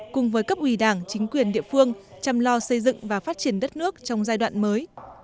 cùng với cấp ủy đảng chính quyền địa phương chăm lo xây dựng và phát triển đất nước trong giai đoạn mới